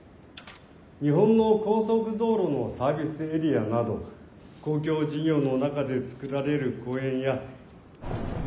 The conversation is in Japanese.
日本の高速道路のサービスエリアなど公共事業の中で造られる公園や。